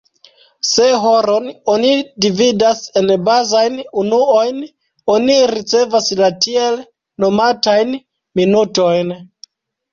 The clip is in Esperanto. Se horon oni dividas en bazajn unuojn, oni ricevas la tiel nomatajn "minutojn".